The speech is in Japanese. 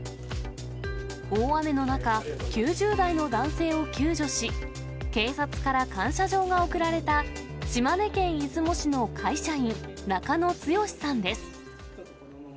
大雨の中、９０代の男性を救助し、警察から感謝状が贈られた島根県出雲市の会社員、中野剛さんです。